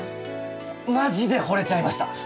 マジで惚れちゃいました。